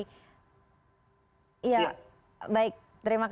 saya akan ke pak kiai terlebih dahulu